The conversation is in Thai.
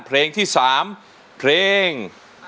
เพลงที่๓เพลง